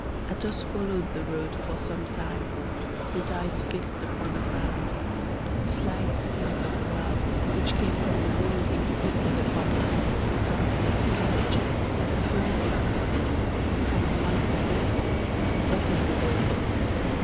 Athos followed the road for some time, his eyes fixed upon the ground; slight stains of blood, which came from the wound inflicted upon the man who accompanied the carriage as a courier, or from one of the horses, dotted the road.